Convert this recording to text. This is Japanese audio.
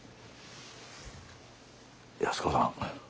安子さん。